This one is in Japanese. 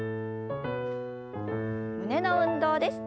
胸の運動です。